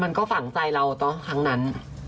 มันก็ฝังใจเราต้อทั้งนั้น